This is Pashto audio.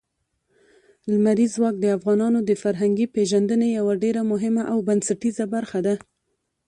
لمریز ځواک د افغانانو د فرهنګي پیژندنې یوه ډېره مهمه او بنسټیزه برخه ده.